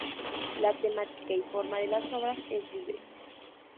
La temática y forma de las obras es libre.